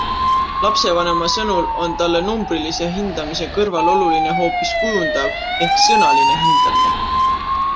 Lapsevanema sõnul on talle numbrilise hindamise kõrval oluline hoopis kujundav ehk sõnaline hindamine.